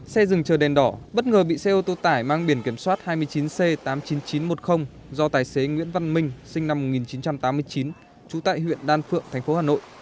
xe dừng chờ đèn đỏ bất ngờ bị xe ô tô tải mang biển kiểm soát hai mươi chín c tám mươi chín nghìn chín trăm một mươi do tài xế nguyễn văn minh sinh năm một nghìn chín trăm tám mươi chín trú tại huyện đan phượng thành phố hà nội